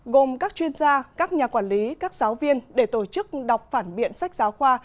gồm các chuyên gia các nhà quản lý các giáo viên để tổ chức đọc phản biện sách giáo khoa